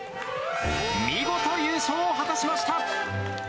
見事優勝を果たしました。